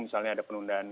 misalnya ada penundaan